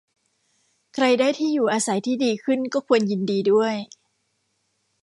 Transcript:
ใครได้ที่อยู่อาศัยที่ดีขึ้นก็ควรยินดีด้วย